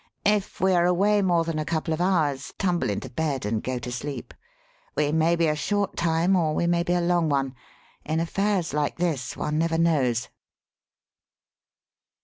If we are away more than a couple of hours, tumble into bed and go to sleep. We may be a short time or we may be a long one. In affairs like this one never knows."